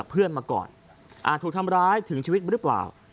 พร้อมกับมีการตั้งข้อสังเกตว่า